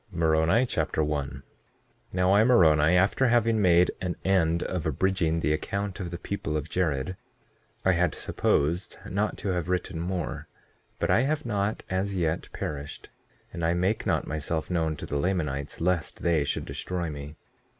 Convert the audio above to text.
THE BOOK OF MORONI Moroni Chapter 1 1:1 Now I, Moroni, after having made an end of abridging the account of the people of Jared, I had supposed not to have written more, but I have not as yet perished; and I make not myself known to the Lamanites lest they should destroy me.